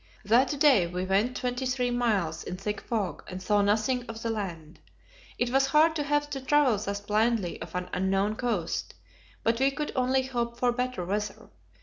That day we went twenty three miles in thick fog, and saw nothing of the land. It was hard to have to travel thus blindly off an unknown coast, but we could only hope for better weather.